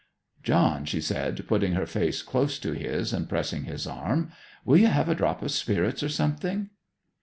'John,' she said, putting her face close to his and pressing his arm. 'Will you have a drop of spirits or something?'